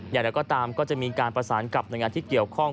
อย่างไรก็ตามก็จะมีการประสานกับหน่วยงานที่เกี่ยวข้อง